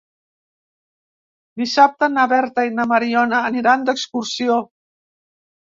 Dissabte na Berta i na Mariona aniran d'excursió.